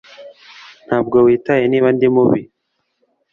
ntabwo witaye niba ndi mubi.